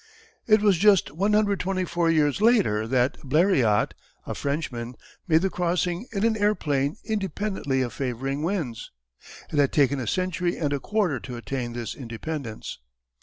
It was just 124 years later that Bleriot, a Frenchman, made the crossing in an airplane independently of favouring winds. It had taken a century and a quarter to attain this independence.